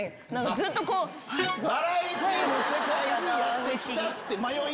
バラエティーの世界にやって来た。